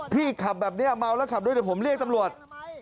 พี่ขับแบบนี้เมาแล้วขับด้วยเดี๋ยวผมเรียกตำรวจ